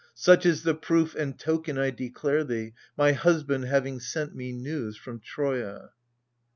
Such is the proof and token I declare thee, My husband having sent me news from Troia.